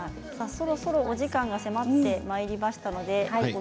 お時間が迫ってまいりました。